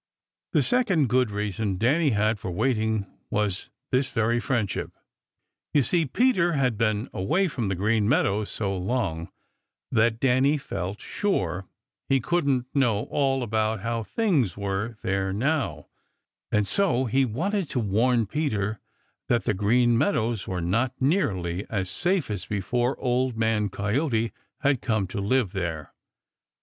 The second good reason Danny had for waiting was this very friendship. You see, Peter had been away from the Green Meadows so long that Danny felt sure he couldn't know all about how things were there now, and so he wanted to warn Peter that the Green Meadows were not nearly as safe as before Old Man Coyote had come there to live.